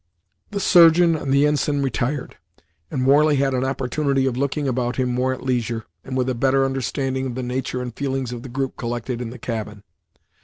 The surgeon and ensign retired, and Warley had an opportunity of looking about him more at leisure, and with a better understanding of the nature and feelings of the group collected in the cabin.